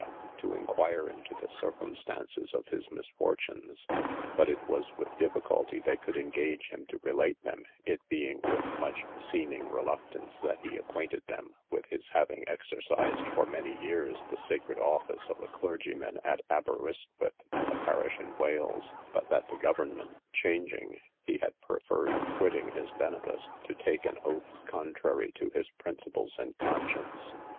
to inquire into the circumstances of his misfortunes; but it was with difficulty they could engage him to relate them, it being with much seeming reluctance that he acquainted them with his having exercised for many years the sacred office of a clergyman at Aberistwith, a parish in Wales; but that the government changing, he had preferred quitting his benefice, to taking an oath contrary to his principles and conscience.